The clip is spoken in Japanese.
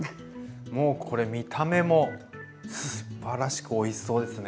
もうこれ見た目もすばらしくおいしそうですね。